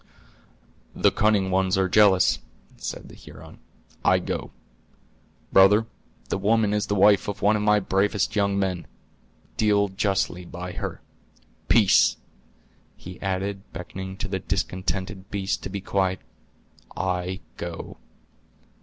"The cunning ones are jealous," said the Huron; "I go. Brother, the woman is the wife of one of my bravest young men; deal justly by her. Peace!" he added, beckoning to the discontented beast to be quiet; "I go."